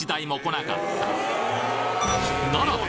ならば！